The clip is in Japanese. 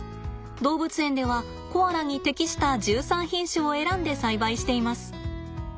動物園ではコアラに適した１３品種を選んで栽培しています。